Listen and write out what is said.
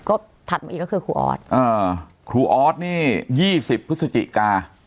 ก็ถัดมาอีกก็คือครูออสอ่าครูออสนี่ยี่สิบพฤศจิกา